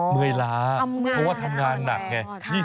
เมื่อยล้าเพราะว่าทำงานหนักไง